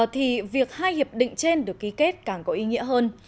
thì việc hai hiệp định trên được ký kết càng có ý nghĩa hơn